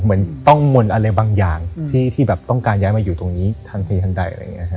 เหมือนต้องมนต์อะไรบางอย่างที่แบบต้องการย้ายมาอยู่ตรงนี้ทันทีทันใดอะไรอย่างนี้ฮะ